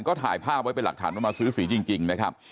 ก็ถ่ายภาพไว้เป็นหลักฐานว่ามาซื้อสีจริงนะครับ